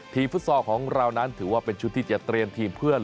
ฟุตซอลของเรานั้นถือว่าเป็นชุดที่จะเตรียมทีมเพื่อน